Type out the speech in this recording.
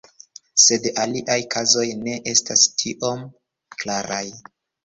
Sed aliaj kazoj ne estas tiom klaraj.